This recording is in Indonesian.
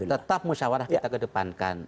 tetap musyawarah kita kedepankan